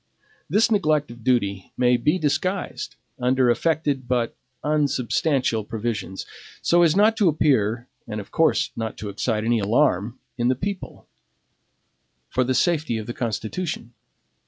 This neglect of duty may be disguised under affected but unsubstantial provisions, so as not to appear, and of course not to excite any alarm in the people for the safety of the Constitution.